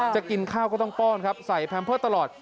กินข้าวก็ต้องป้อนครับใส่แพมเพิร์ตตลอด